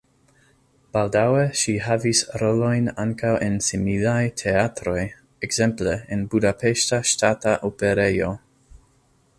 Baldaŭe ŝi havis rolojn ankaŭ en similaj teatroj, ekzemple en Budapeŝta Ŝtata Operejo.